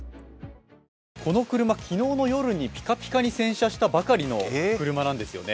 この車、昨日の夜にピカピカに洗車したばかりの車なんですね